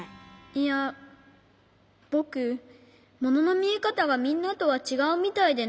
いやぼくもののみえかたがみんなとはちがうみたいでね。